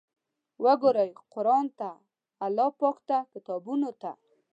وګورئ قرآن ته، پاک الله ته، کتابونو ته!